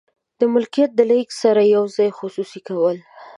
د ملکیت د لیږد سره یو ځای خصوصي کول.